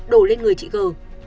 đổ lên người chị gờ